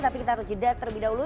tapi kita harus jeda terlebih dahulu